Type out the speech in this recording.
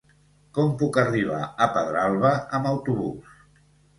Com puc arribar a Pedralba amb autobús?